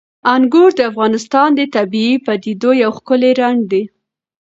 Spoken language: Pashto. انګور د افغانستان د طبیعي پدیدو یو ښکلی رنګ دی.